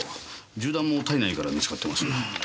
銃弾も体内から見つかってます。